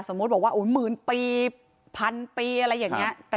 สมมุติบอกว่าโอ้ยหมื่นปีพันปีอะไรอย่างเงี้ยครับ